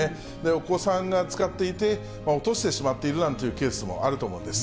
お子さんが使っていて、落としてしまっているなんていうケースもあると思うんです。